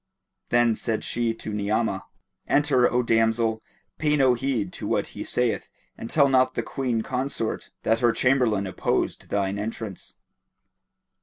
Then said she to Ni'amah, "Enter, O damsel; pay no heed to what he saith and tell not the Queen consort that her Chamberlain opposed thine entrance."